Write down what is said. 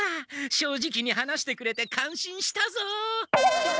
正直に話してくれて感心したぞ！